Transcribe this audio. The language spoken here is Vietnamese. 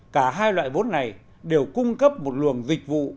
cả hai loại vốn này đều cung cấp một luồng dịch vụ